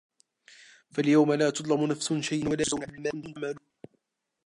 فَاليَومَ لا تُظلَمُ نَفسٌ شَيئًا وَلا تُجزَونَ إِلّا ما كُنتُم تَعمَلونَ